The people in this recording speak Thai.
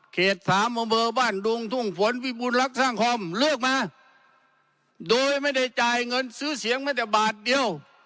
สามอำเภอบ้านดุงทุ่งฝนวิบูลรักสร้างคอมเลือกมาโดยไม่ได้จ่ายเงินซื้อเสียงแม้แต่บาทเดียว